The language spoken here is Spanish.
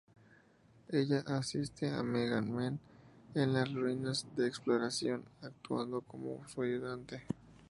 Ella asiste a Mega Man en las ruinas de exploración, actuando como su ayudante.